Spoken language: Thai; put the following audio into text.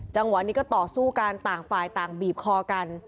จังหวะนี้ก็ต่อสู้กันต่างฝ่ายต่างบีบคอกัน